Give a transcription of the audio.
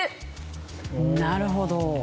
なるほど。